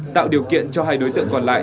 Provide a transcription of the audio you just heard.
tạo điều kiện cho hai đối tượng còn lại